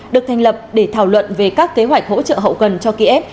được thành lập để thảo luận về các kế hoạch hỗ trợ hậu cần cho kiev